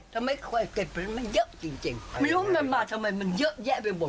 แต่ฉันว่าจะให้เดินสบานแล้วขึ้นไปอีกครับมีใครเขาว่ามีใครเขาอะไรไหม